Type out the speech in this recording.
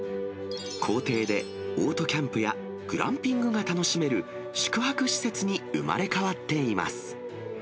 校庭でオートキャンプやグランピングが楽しめる宿泊施設に生まれ変わっています。